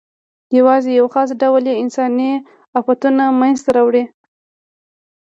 یواځې یو خاص ډول یې انساني آفتونه منځ ته راوړي.